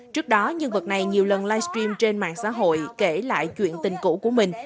trước đó nhân vật này nhiều lần livestream trên mạng xã hội kể lại chuyện tình cũ của mình